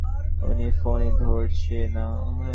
উনি ফোনই ধরছে না।